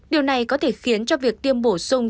điều này có thể khiến cho việc tiêm bổ sung